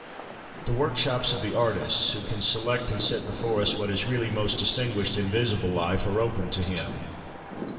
The workshops of the artists, who can select and set before us what is really most distinguished in visible life, are open to him.